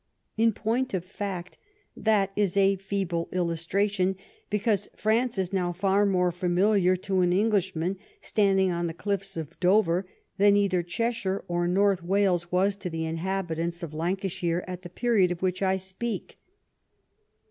In point of fact, that is a feeble illustration, because France is now far more familiar to an Englishman standing on the cliffs of Dover than either Cheshire or North Wales was to the inhabitant of Lancashire at the period of which I speak.